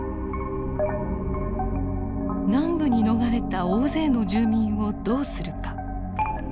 南部に逃れた大勢の住民をどうするか。